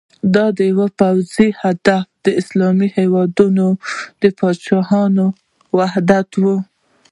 د دې پوځ هدف د اسلامي هېوادونو د پاچاهانو وحدت و.